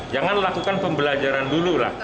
jangan lakukan pembelajaran dulu lah